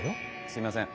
すいません。